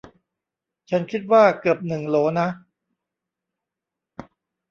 ฉันคิดว่าเกือบหนึ่งโหลนะ